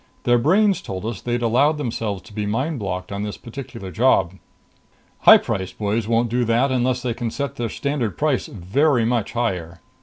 Their brains told us they'd allowed themselves to be mind blocked on this particular job. High priced boys won't do that unless they can set their standard price very much higher.